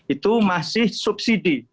itu masih subsidi